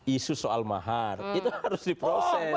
isu soal mahar itu harus diproses